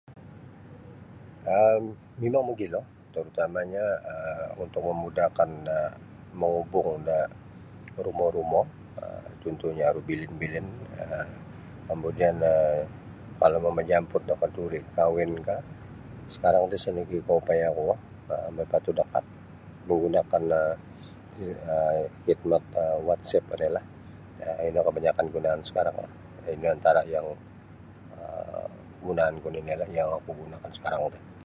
um Mimang mogilo terutamanya [um]untuk mamudakan manghubung da rumo-rumo[um] contohnya aru bilin-bilin [um]kemudian um kalau mamajamput da kanduri kahwin ka sakarang ti isa no gi ikau payah kuo mongoi patud da kad menggunakan um khidmat um whatsapp oni la ino kabanyakan gunaan sakarang lah ina antara yang gunaan ku ninilah yag oku gunakan sakarang ti.